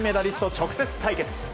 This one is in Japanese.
直接対決。